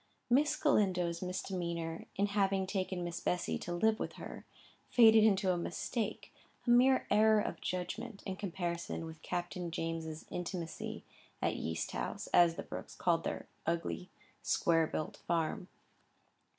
Miss Galindo's misdemeanour in having taken Miss Bessy to live with her, faded into a mistake, a mere error of judgment, in comparison with Captain James's intimacy at Yeast House, as the Brookes called their ugly square built farm.